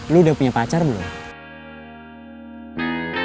lu udah punya pacar belum